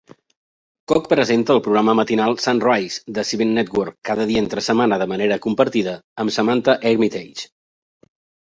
Koch presenta el programa matinal "Sunrise" de Seven Network cada dia entre setmana de manera compartida amb Samantha Armytage.